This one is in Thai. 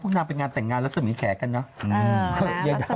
พวกนั้นเป็นงานแต่งงานรัศมีแขกกันเนาะ